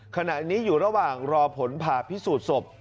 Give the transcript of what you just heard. ขณะนี้อยู่ระหว่างรอผลผ่าพิสูจน์ศพ